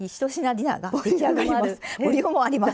ボリュームもあります。